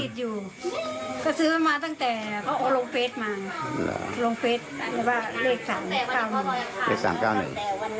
วันแรกที่เขาลอยอังคารเขาโหลดเฟส